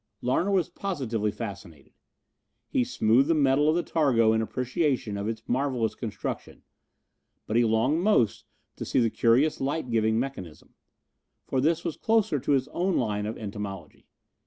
Larner was positively fascinated. He smoothed the metal of the targo in appreciation of its marvelous construction, but he longed most to see the curious light giving mechanism, for this was closer to his own line of entomology.